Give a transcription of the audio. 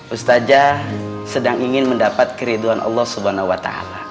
ustaja sedang ingin mendapat keriduan allah swt